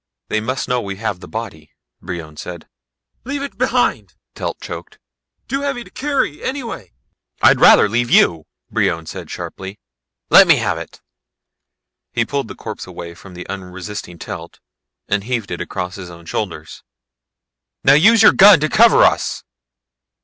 "They must know we have the body," Brion said. "Leave it behind ..." Telt choked. "Too heavy to carry ... anyway!" "I'd rather leave you," Brion said sharply. "Let me have it." He pulled the corpse away from the unresisting Telt and heaved it across his own shoulders. "Now use your gun to cover us!"